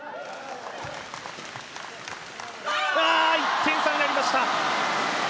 １点差になりました！